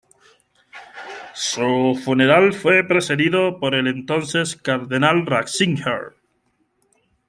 Su funeral fue presidido por el entonces cardenal Ratzinger.